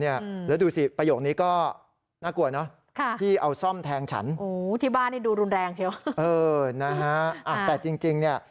เออต้องเป็นต้องเป็นอะไรนะ